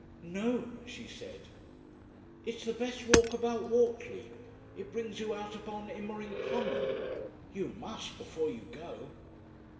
"No," she said. "It's the best walk about Whortley. It brings you out upon Immering Common. You must before you go."